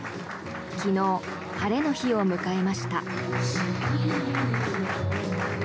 昨日、晴れの日を迎えました。